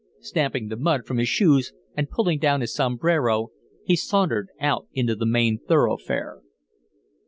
Stamping the mud from his shoes and pulling down his sombrero, he sauntered out into the main thoroughfare.